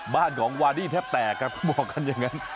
บ้านของวาดี้แทบแตกครับเขาบอกกันอย่างนั้น